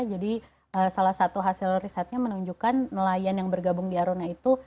jadi salah satu hasil risetnya menunjukkan nelayan yang bergabung di aruna itu